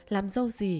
làm dâu gì